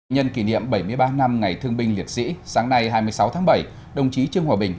nhân kỷ niệm bảy mươi ba năm ngày thương binh liệt sĩ sáng nay hai mươi sáu tháng bảy đồng chí trương hòa bình